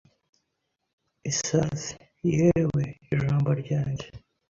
Isazi ... yewe ijambo ryanjye ...